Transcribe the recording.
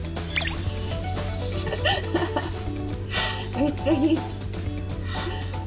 めっちゃ元気。